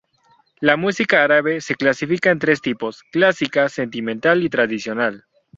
La música árabe se clasifica en tres tipos: clásica, sentimental y tradicional.